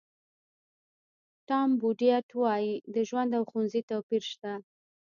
ټام بوډیټ وایي د ژوند او ښوونځي توپیر شته.